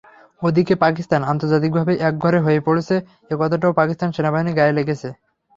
ওদিকে পাকিস্তান আন্তর্জাতিকভাবে একঘরে হয়ে পড়ছে—এ কথাটাও পাকিস্তান সেনাবাহিনীর গায়ে লেগেছে।